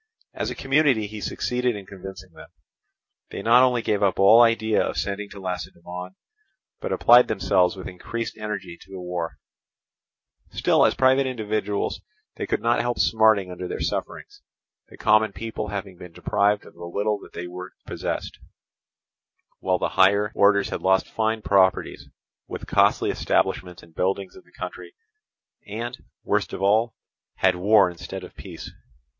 As a community he succeeded in convincing them; they not only gave up all idea of sending to Lacedaemon, but applied themselves with increased energy to the war; still as private individuals they could not help smarting under their sufferings, the common people having been deprived of the little that they were possessed, while the higher orders had lost fine properties with costly establishments and buildings in the country, and, worst of all, had war instead of peace.